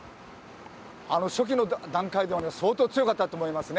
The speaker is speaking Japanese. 初期の段階ではね、相当強かったと思いますね。